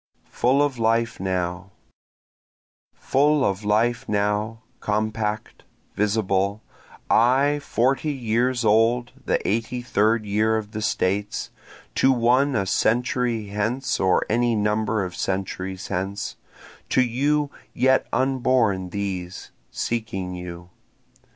Full of Life Now Full of life now, compact, visible, I, forty years old the eighty third year of the States, To one a century hence or any number of centuries hence, To you yet unborn these, seeking you.